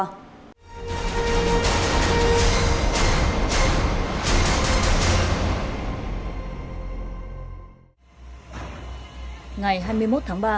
ngày hai mươi một tháng ba một vụ cháy lớn đã xảy ra tại kho chứa nguyễn văn